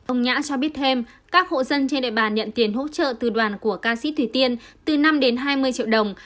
ông nhã cho biết thêm các hộ dân trên địa bàn nhận tiền hỗ trợ từ đoàn của ca sĩ thủy tiên từ năm đến hai mươi triệu đồng